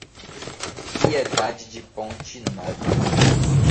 Piedade de Ponte Nova